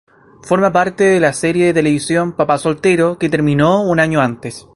Forma parte de la serie de televisión "Papá soltero", que terminó un año antes.